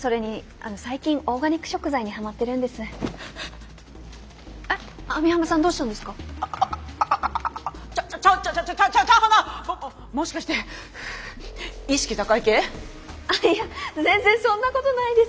あいや全然そんなことないです。